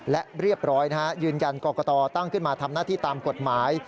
และเรียบร้อยยืนยันกรกตตั้งขึ้นมาทำหน้าที่ตามกฎหมาย